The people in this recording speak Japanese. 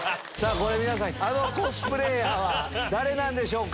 皆さんあのコスプレーヤーは誰なんでしょうか？